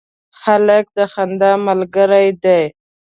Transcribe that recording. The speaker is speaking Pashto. هلک د خندا ملګری دی.